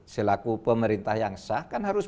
selaku pemerintah yang sah kan harus